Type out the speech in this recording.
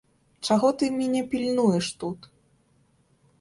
Чаго ты мяне пільнуеш тут?